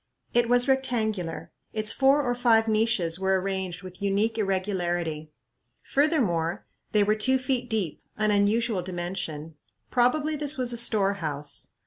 It was rectangular. Its four or five niches were arranged with unique irregularity. Furthermore, they were two feet deep, an unusual dimension. Probably this was a storehouse.